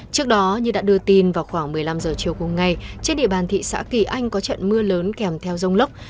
trước đó như đã đưa tin vào khoảng một mươi năm h chiều cùng ngày trên địa bàn thị xã kỳ anh có trận mưa lớn kèm theo rông lốc